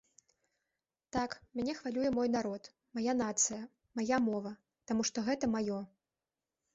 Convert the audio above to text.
Так, мяне хвалюе мой народ, мая нацыя, мая мова, таму што гэта маё.